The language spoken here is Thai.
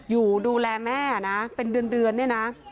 อยู่ดูแลแม่นะเป็นเดือนเนี่ยนะ